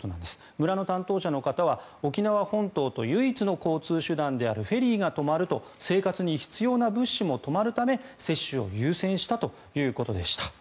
村の担当者の方は沖縄本島と唯一の交通手段であるフェリーが止まると生活に必要な物資も止まるため、接種を優先したということでした。